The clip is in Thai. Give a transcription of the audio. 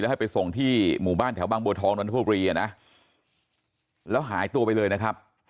แล้วให้ไปส่งที่หมู่บ้านแถวบ้างบังบัวทองดนตรีแล้วหายตัวไปเลยนะครับ